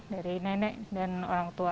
dari nenek dan orang tua